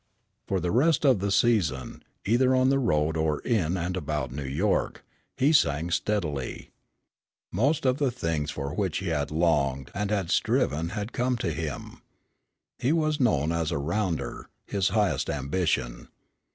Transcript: For the rest of the season, either on the road or in and about New York, he sang steadily. Most of the things for which he had longed and had striven had come to him. He was known as a rounder, his highest ambition.